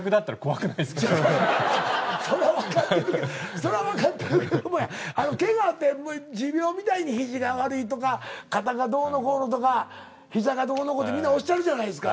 それはわかってるけどもやけがって持病みたいに肘が悪いとか肩がどうのこうのとか膝がどうのこうのってみんなおっしゃるじゃないですか。